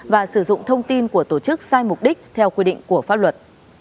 và sử dụng thông tin của tổ chức sai mục đích theo quy định của pháp luật